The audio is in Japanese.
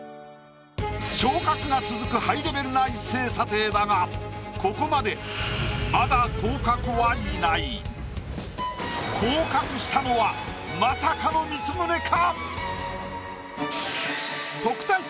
昇格が続くハイレベルな一斉査定だがここまでまだまさかの僕が。